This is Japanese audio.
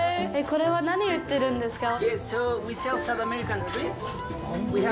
これは、何を売ってるんですか。